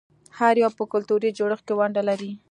هر یو په کلتوري جوړښت کې ونډه لري.